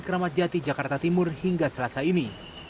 keramat jati jakarta timur hingga selasa ini